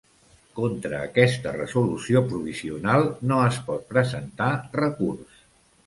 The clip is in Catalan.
Contra aquesta Resolució provisional no es pot presentar recurs.